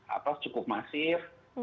atau cukup masif